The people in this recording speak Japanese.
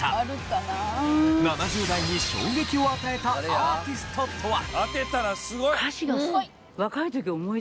７０代に衝撃を与えたアーティストとは。